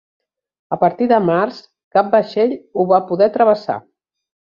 A partir de març, cap vaixell ho va poder travessar.